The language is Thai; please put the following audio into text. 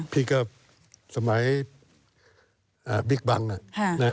เพียงกับสมัยบิ๊กบังอ่ะ